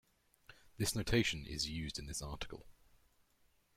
This notation is used in this article.